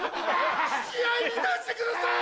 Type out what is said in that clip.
試合に出してください！